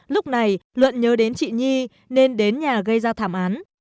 lúc này luận nhớ đến chị nhi nên đến nhà gây ra thảm án